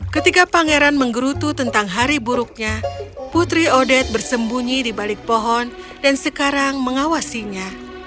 ketika pangeran menggerutu tentang hari buruknya putri odet bersembunyi di balik pohon dan sekarang mengawasinya